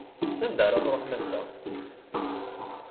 S anda ara truḥem ass-a?